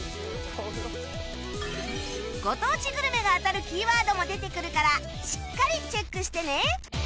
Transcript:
ご当地グルメが当たるキーワードも出てくるからしっかりチェックしてね